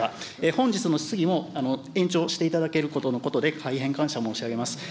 本日の質疑も延長していただけるとのことで、大変感謝申し上げます。